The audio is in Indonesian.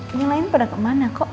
ini lain pada kemana kok